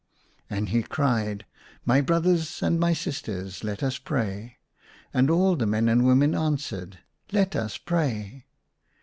And he cried, " My brothers and my sisters, let us pray." And all the men and women answered, *' Let us pray."